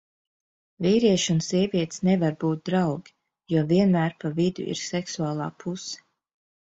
Vīrieši un sievietes nevar būt draugi, jo vienmēr pa vidu ir seksuālā puse.